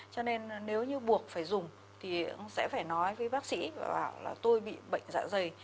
cho nên nếu như buộc phải dùng thì sẽ phải nói với bác sĩ và bảo là tôi bị bệnh dạ dày